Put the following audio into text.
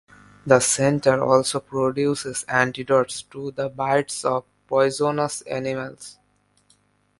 The center also produces antidotes to the bites of poisonous animals.